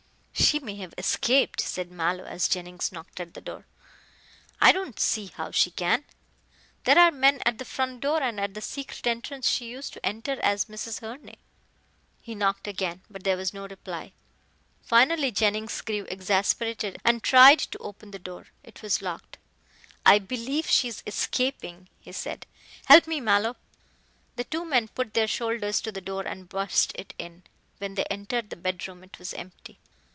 "She may have escaped," said Mallow, as Jennings knocked at the door. "I don't see how she can. There are men at the front door and at a secret entrance she used to enter as Mrs. Herne." He knocked again, but there was no reply. Finally Jennings grew exasperated and tried to open the door. It was locked. "I believe she is escaping," he said, "help me, Mallow." The two men put their shoulders to the door and burst it in. When they entered the bedroom it was empty.